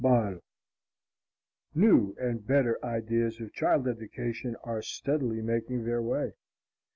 _] New and better ideas of child education are steadily making their way.